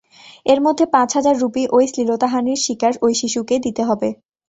এর মধ্যে পাঁচ হাজার রুপি ওই শ্লীলতাহানির শিকার ওই শিশুকে দিতে হবে।